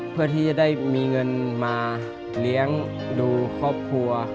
เพื่อที่จะได้มีเงินมาเลี้ยงดูครอบครัว